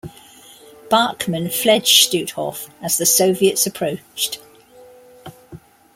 Barkmann fled Stutthof as the Soviets approached.